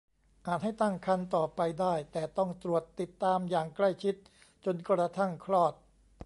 อาจให้ตั้งครรภ์ต่อไปได้แต่ต้องตรวจติดตามอย่างใกล้ชิดจนกระทั่งคลอด